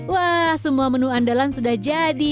wah semua menu andalan sudah jadi